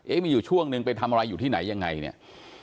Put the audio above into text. มีอยู่ช่วงนึงไปทำอะไรอยู่ที่ไหนยังไงเนี่ย